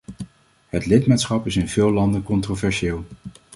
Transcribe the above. Het lidmaatschap is in veel landen controversieel.